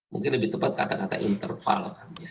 mungkin lebih tepat kata kata interval